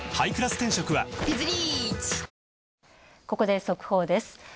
ここで速報です。